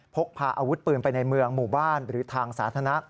พกพาอาวุธปืนไปในเมืองหมู่บ้านหรือทางสาธารณะ